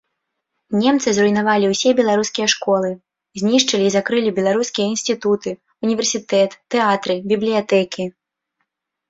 Немцы зруйнавалі ўсе беларускія школы, знішчылі і закрылі беларускія інстытуты, універсітэт, тэатры, бібліятэкі.